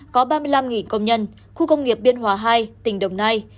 có ba mươi năm công nhân khu công nghiệp biên hòa hai tỉnh đồng nai